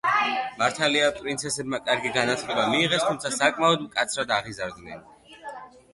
მართალია პრინცესებმა კარგი განათლება მიიღეს, თუმცა საკმაოდ მკაცრად აღიზარდნენ.